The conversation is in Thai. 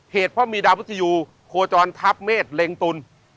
เหตุเพราะมีดาวพุทธยูโคจรทัพเมษเล็งตุล